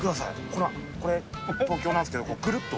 ほらこれ東京なんですけどくるっと。